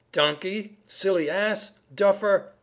"Donkey!" "Silly ass?" "Duffer!"